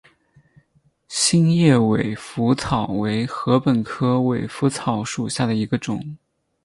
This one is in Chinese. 心叶尾稃草为禾本科尾稃草属下的一个种。